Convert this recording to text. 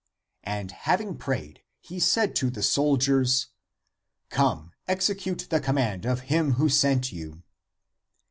And having prayed, he said to the soldiers, '* Come, execute the command of him who sent you